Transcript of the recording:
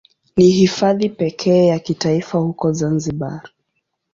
Ni Hifadhi pekee ya kitaifa huko Zanzibar.